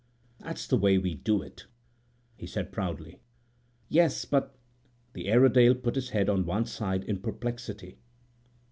"That's the way we do it," he said proudly. "Yes, but—" the Airedale put his head on one side in perplexity.